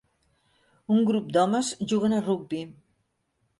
Un grup d'homes juguen a rugbi.